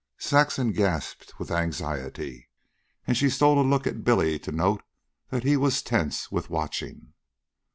Saxon gasped with anxiety, and she stole a look at Billy to note that he was tense with watching.